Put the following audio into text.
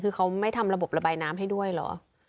คือเขาไม่ทำระบบระบายน้ำให้ด้วยเหรอ